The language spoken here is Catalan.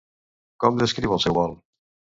Com descriu el seu vol?